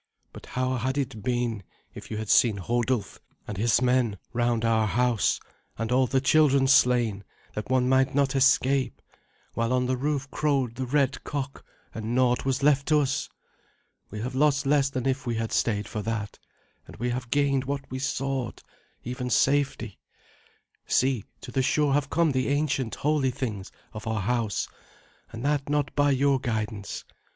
But how had it been if you had seen Hodulf and his men round our house, and all the children slain that one might not escape, while on the roof crowed the red cock, and naught was left to us? We have lost less than if we had stayed for that, and we have gained what we sought, even safety. See, to the shore have come the ancient holy things of our house, and that not by your guidance.